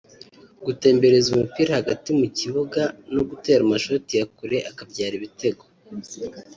gutembereza umupira hagati mu kibuga no gutera amashoti ya kure akabyara ibitego